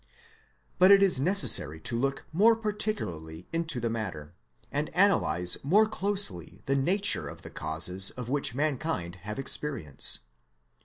But it is necessary to look more particularly into the matter, and analyse more closely the nature of the causes of which mankind have experience.